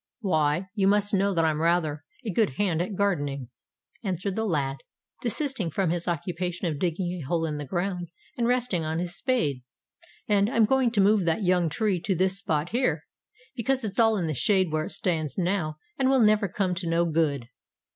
"Why, you must know that I'm rather a good hand at gardening," answered the lad, desisting from his occupation of digging a hole in the ground, and resting on his spade: "and I'm going to move that young tree to this spot here—because it's all in the shade where it stands now, and will never come to no good."